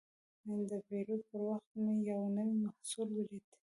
د پیرود پر وخت مې یو نوی محصول ولید.